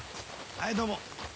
はいどうも。